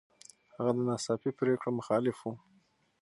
هغه د ناڅاپي پرېکړو مخالف و.